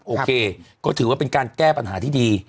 โอเคก็ถือว่าเป็นการแก้ปัญหาที่ดี